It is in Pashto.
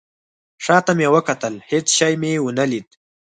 شاته مې وکتل. هیڅ شی مې ونه لید